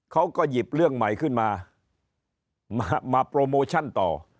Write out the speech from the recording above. เขาก็หยิบเรื่องใหม่ขึ้นมามาโปรโมชั่นต่อ